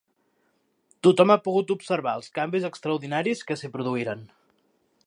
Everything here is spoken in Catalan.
Tothom ha pogut observar els canvis extraordinaris que s'hi produïren